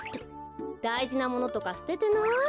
だいじなものとかすててない？